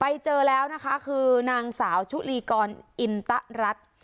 ไปเจอแล้วนะคะคือนางสาวชุลีกรอินตะรัฐ